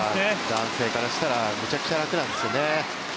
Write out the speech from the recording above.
男性からしたら、めちゃくちゃ楽なんですよね。